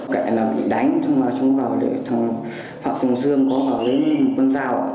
cảnh là bị đánh cháu không vào để phạm tùng dương có vào lên con dao